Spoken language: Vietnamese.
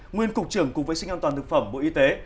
nguyên cục trưởng cục vệ sinh an toàn thực phẩm bộ y tế